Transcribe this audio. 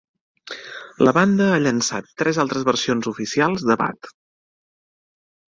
La banda ha llançat tres altres versions oficials de "Bad".